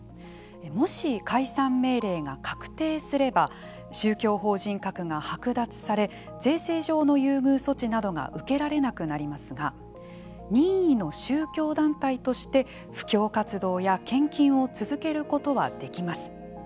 もし解散命令が確定すれば宗教法人格が剥奪され税制上の優遇措置などが受けられなくなりますが任意の宗教団体として布教活動や献金を続けることはできます。